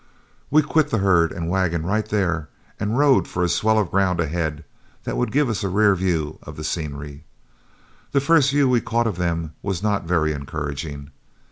We quit the herd and wagon right there and rode for a swell of ground ahead that would give us a rear view of the scenery. The first view we caught of them was not very encouraging.